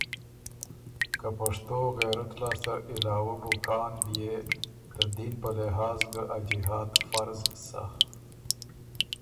که پشتو غېرت لاسته علاوۀ بو کان بيې ته دین په لحاظ ګۀ ا جهاد فرض سَۀ۔